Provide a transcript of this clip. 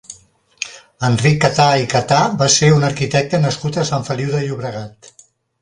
Enric Catà i Catà va ser un arquitecte nascut a Sant Feliu de Llobregat.